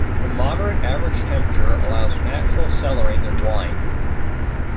The moderate average temperature allows natural cellaring of wine.